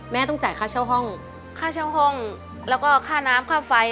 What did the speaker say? ต้องจ่ายค่าเช่าห้องค่าเช่าห้องแล้วก็ค่าน้ำค่าไฟ